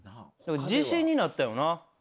自信になったよな。